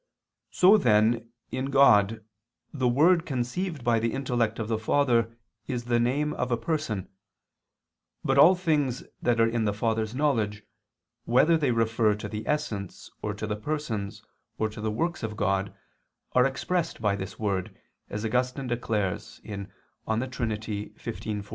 So then in God the Word conceived by the intellect of the Father is the name of a Person: but all things that are in the Father's knowledge, whether they refer to the Essence or to the Persons, or to the works of God, are expressed by this Word, as Augustine declares (De Trin. xv, 14).